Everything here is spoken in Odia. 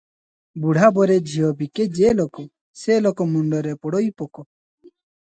"ବୁଢା ବରେ ଝିଅ ବିକେ ଯେ ଲୋକ, ସେ ଲୋକ ମୁଣ୍ଡରେ ପଡ଼ଇ ପୋକ ।"